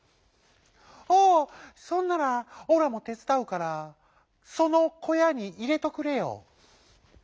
「おうそんならオラもてつだうからそのこやにいれとくれよ」。